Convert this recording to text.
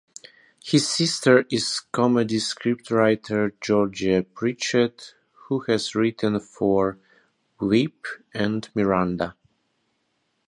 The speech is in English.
His sister is comedy scriptwriter Georgia Prichett, who has written for "Veep" and "Miranda".